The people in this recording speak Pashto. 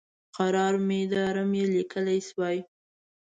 قرار میدارم یې لیکلی شوای.